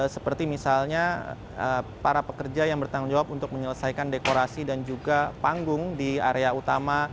seperti misalnya para pekerja yang bertanggung jawab untuk menyelesaikan dekorasi dan juga panggung di area utama